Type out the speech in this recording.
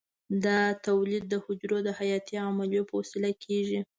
دا تولید د حجرو د حیاتي عملیو په وسیله کېږي.